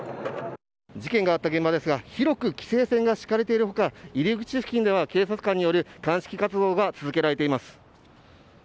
事件があった現場ですが広く規制線が敷かれている他入り口付近では警察官による鑑識活動が続けられています。